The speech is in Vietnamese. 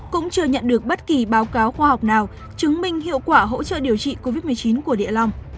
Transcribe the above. cũng chưa nhận được bất kỳ báo cáo khoa học nào chứng minh hiệu quả hỗ trợ điều trị covid một mươi chín của địa long